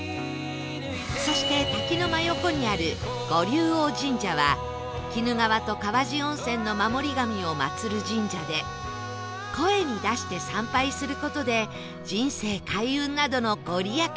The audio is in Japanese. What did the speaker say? そして滝の真横にある五龍王神社は鬼怒川と川治温泉の守り神を祭る神社で声に出して参拝する事で人生開運などの御利益があるといわれています